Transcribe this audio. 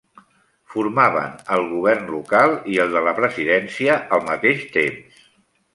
Formaven el govern local i el de la presidència al mateix temps.